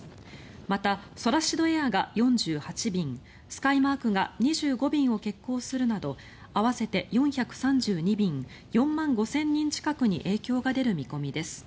また、ソラシドエアが４８便スカイマークが２５便を欠航するなど合わせて４３２便４万５０００人近くに影響が出る見込みです。